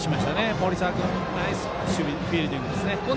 森澤君、ナイス守備フィールディングですね。